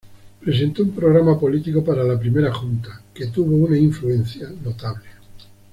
Presentó un programa político para la Primera Junta, que tuvo una influencia notable.